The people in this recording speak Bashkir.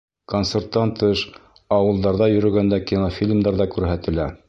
Концерттан тыш, ауылдарҙа йөрөгәндә кинофильмдар ҙа күрһәтелә.